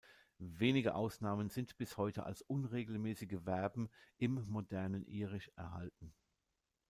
Wenige Ausnahmen sind bis heute als unregelmäßige Verben im modernen Irisch erhalten.